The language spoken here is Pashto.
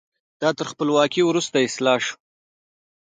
دا تر خپلواکۍ وروسته اصلاح شو.